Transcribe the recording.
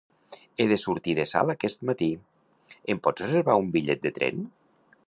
He de sortir de Salt aquest matí, em pots reservar un bitllet de tren?